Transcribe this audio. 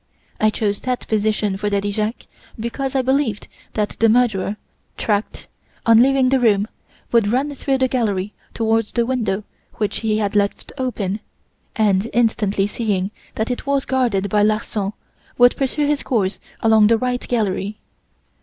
I chose that position 'for Daddy Jacques because I believed that the murderer, tracked, on leaving the room, would run through the gallery towards the window which he had left open, and, instantly seeing that it was guarded by Larsan, would pursue his course along the 'right' gallery.